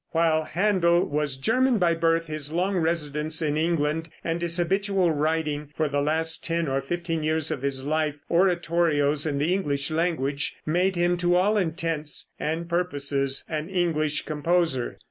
While Händel was German by birth, his long residence in England and his habitual writing for the last ten or fifteen years of his life oratorios in the English language, made him, to all intents and purposes, an English composer.